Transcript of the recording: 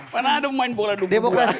mana ada yang main bola dua dua